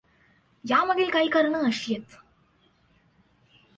यामागील काही कारणे अशी आहेत.